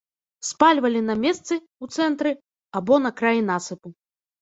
Спальвалі на месцы ў цэнтры або на краі насыпу.